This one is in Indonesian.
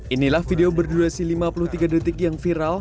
inilah video berdurasi lima puluh tiga detik yang viral